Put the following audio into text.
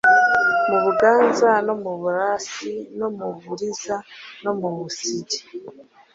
mu Buganza no mu Busarasi no mu Buliza no mu Busigi.